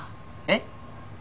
えっ？